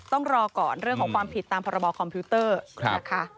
ต้องรอก่อนเรื่องของความผิดตามพคนะครับ